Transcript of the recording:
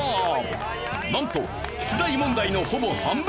なんと出題問題のほぼ半分を正解。